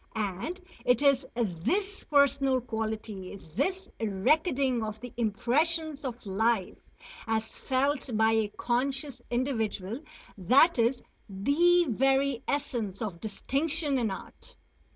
And it is this personal quality, this recording of the impressions of life as felt by a conscious individual that is the very essence of distinction in art.